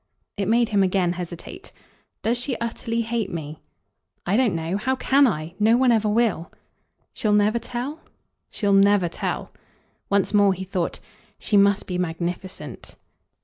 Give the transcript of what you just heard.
It made him again hesitate. "Does she utterly hate me?" "I don't know. How CAN I? No one ever will." "She'll never tell?" "She'll never tell." Once more he thought. "She must be magnificent."